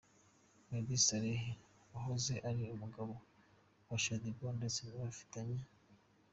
Meddy Saleh wahoze ari umugabo wa Shaddyboo ndetse bafitanye